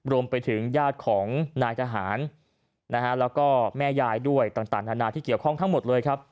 รวมไปถึงญาติของนายทหารนะฮะแล้วก็แม่ยายด้วยต่างนานาที่เกี่ยวข้องทั้งหมดเลยครับ